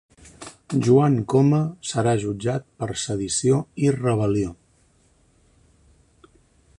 Joan Coma serà jutjat per sedició i rebel·lió